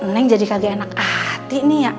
neng jadi kaki enak hati nih ya